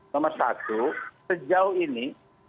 nomor satu sejauh ini